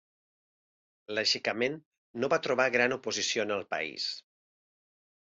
L'aixecament no va trobar gran oposició en el país.